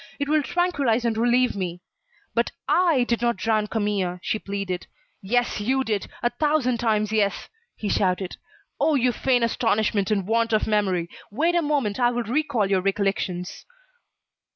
It will tranquillise and relieve me." "But I did not drown Camille," she pleaded. "Yes, you did, a thousand times yes!" he shouted. "Oh! You feign astonishment and want of memory. Wait a moment, I will recall your recollections."